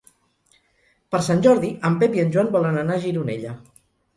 Per Sant Jordi en Pep i en Joan volen anar a Gironella.